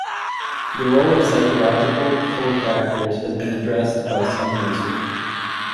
The role of psychological co-factors has been addressed by some research.